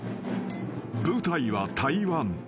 ［舞台は台湾。